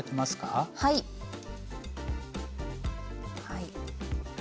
はい。